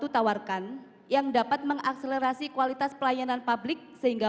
tawarkan yang dapat mengakselerasi kualitas pelayanan publik sehingga